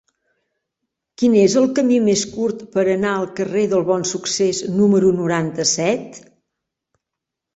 Quin és el camí més curt per anar al carrer del Bonsuccés número noranta-set?